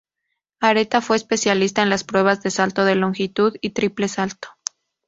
Areta fue especialista en las pruebas de salto de longitud y triple salto.